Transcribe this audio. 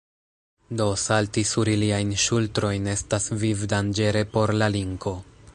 Do salti sur iliajn ŝultrojn estas vivdanĝere por la linko.